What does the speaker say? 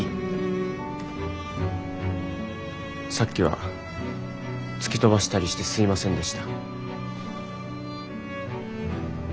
さっきは突き飛ばしたりしてすいませんでした。